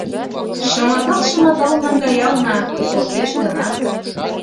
Шыматал-шыматал наҥгаялна, шортеш гынат.